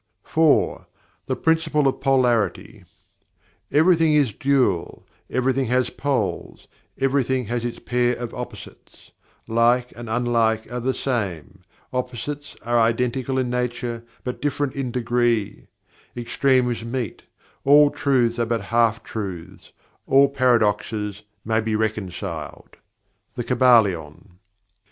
4. The Principle of Polarity "Everything is Dual; everything has poles; everything has its pair of opposites; like and unlike are the same; opposites are identical in nature, but different in degree; extremes meet; all truths are but half truths; all paradoxes may be reconciled." The Kybalion.